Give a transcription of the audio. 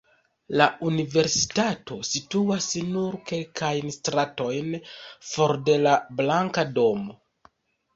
La universitato situas nur kelkajn stratojn for de la Blanka Domo.